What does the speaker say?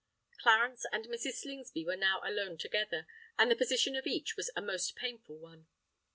Clarence and Mrs. Slingsby were now alone together; and the position of each was a most painful one.